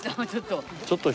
ちょっと。